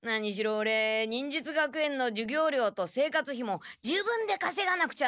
オレ忍術学園の授業料と生活費も自分でかせがなくちゃ